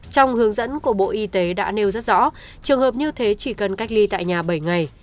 trong hướng dẫn của bộ y tế đã nêu rất rõ trường hợp như thế chỉ cần cách ly tại nhà bảy ngày